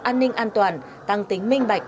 an ninh an toàn tăng tính minh bạch